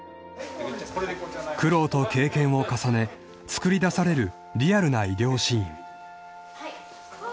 ［苦労と経験を重ね作り出されるリアルな医療シーン］